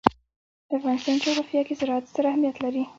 د افغانستان جغرافیه کې زراعت ستر اهمیت لري.